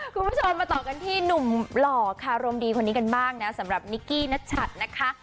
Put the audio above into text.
คุณผู้ชมมาต่อกันที่หนุ่มหล่อค่ะรมดีคนนี้กันบ้างนะสำหรับนิกกี้นัชัดนะคะ